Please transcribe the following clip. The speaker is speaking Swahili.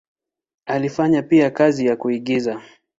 Alifanya pia kazi ya uigizaji.